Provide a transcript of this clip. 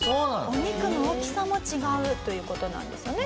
お肉の大きさも違うという事なんですよね。